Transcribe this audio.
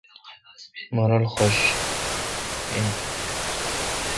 مہ رل خش این۔